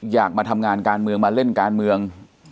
อยากมาทำงานการเมืองมาเล่นการเมือง